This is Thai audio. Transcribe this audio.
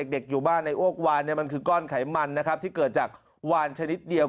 อยู่บ้านในอ้วกวานมันคือก้อนไขมันนะครับที่เกิดจากวานชนิดเดียว